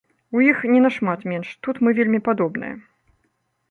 У іх не нашмат менш, тут мы вельмі падобныя.